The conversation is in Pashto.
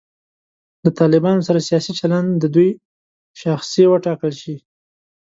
له طالبانو سره سیاسي چلند د دوی شاخصې وټاکل شي.